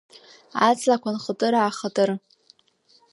Аҵлақәа нхытыр-аахытыр…